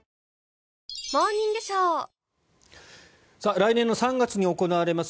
来年の３月に行われます